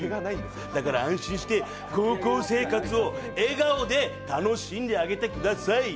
だから安心して高校生活を笑顔で楽しんであげてください。